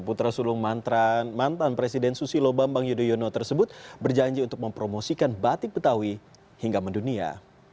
putra sulung mantan presiden susilo bambang yudhoyono tersebut berjanji untuk mempromosikan batik betawi hingga mendunia